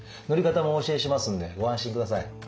塗り方もお教えしますんでご安心ください。